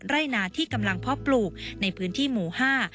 ไร่นาที่กำลังเพาะปลูกในพื้นที่หมู่ห้า